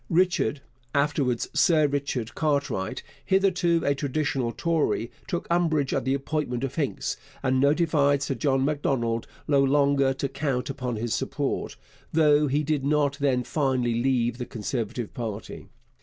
Richard (afterwards Sir Richard) Cartwright, hitherto a traditional Tory, took umbrage at the appointment of Hincks, and notified Sir John Macdonald no longer to count upon his support, though he did not then finally leave the Conservative party.